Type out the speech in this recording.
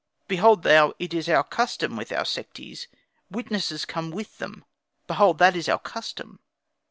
Behold thou it is our custom with our Sekhtis; witnesses come with them; behold, that is our custom.